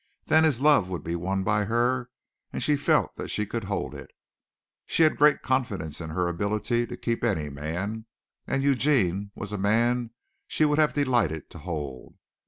Then his love would be won by her and she felt that she could hold it. She had great confidence in her ability to keep any man, and Eugene was a man she would have delighted to hold.